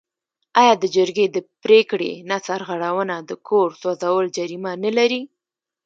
آیا د جرګې د پریکړې نه سرغړونه د کور سوځول جریمه نلري؟